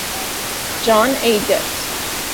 John A. Dix.